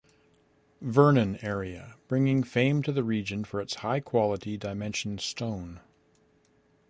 Vernon area, bringing fame to the region for its high-quality dimension stone.